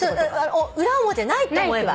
裏表ないって思えば。